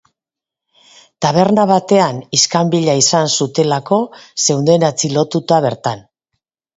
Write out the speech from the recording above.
Taberna batean iskanbila izan zutelako zeuden atxilotuta bertan.